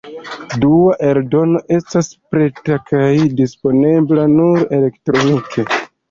Dua eldono estas preta kaj disponebla nur elektronike.